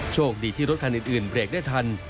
โชคดีที่รถคันอื่นเบรกได้ทัน